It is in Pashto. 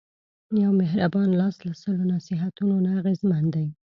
یو مهربان لاس له سلو نصیحتونو نه اغېزمن دی.